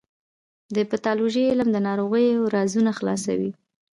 د پیتالوژي علم د ناروغیو رازونه خلاصوي.